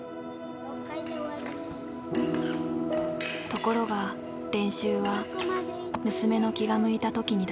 ところが練習は娘の気が向いた時にだけ。